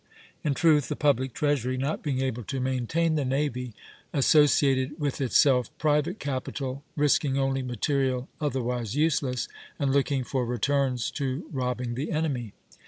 In truth, the public treasury, not being able to maintain the navy, associated with itself private capital, risking only material otherwise useless, and looking for returns to robbing the enemy.